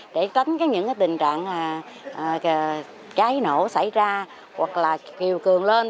để tính những tình trạng cháy nổ xảy ra hoặc là kiều cường lên